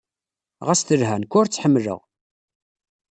Ɣas telha, nekk ur tt-ḥemmleɣ.